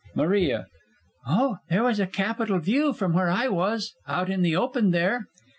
MARIA. Oh, there was a capital view from where I was out in the open there.